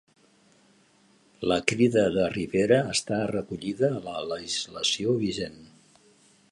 La crida de Rivera està recollida a la legislació vigent